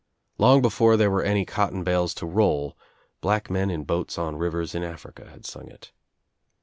Long before there were any cotton bales to roll black men in boats on rivers in Africa had sung it.